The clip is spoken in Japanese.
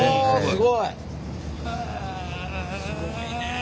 すごいね。